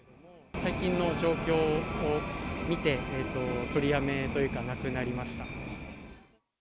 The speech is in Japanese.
最近の状況を見て取りやめというかなくなりました。